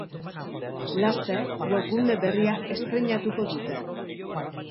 Laster, webgune berria estreinatuko dute!